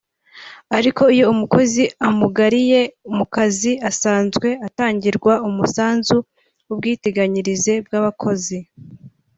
Ariko iyo umukozi amugariye mu kazi asazwe atangirwa umusanzu w’ubwiteganyirize bw’abakozi